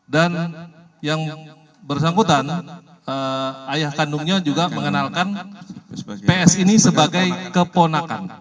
dan yang bersangkutan ayah kandungnya juga mengenalkan ps ini sebagai keponakan